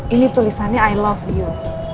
ini tulisannya i love you